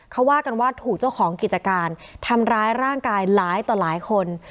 เขาว่ากันว่าถูกเจ้าของกิจการทำร้ายร่างกายหลายต่อหลายคน